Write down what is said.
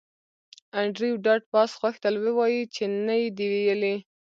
انډریو ډاټ باس غوښتل ووایی چې نه یې دی ویلي